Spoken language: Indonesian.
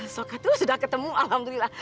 sokatu sudah ketemu alhamdulillah